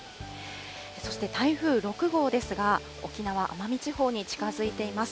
そして台風６号ですが、沖縄・奄美地方に近づいています。